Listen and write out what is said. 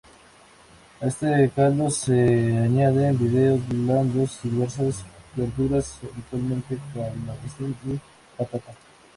A este caldo se añaden fideos blandos y diversas verduras, habitualmente calabacín y patata.